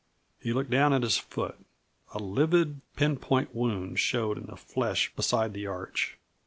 He looked down at his foot. A livid, pin point wound showed in the flesh beside the arch.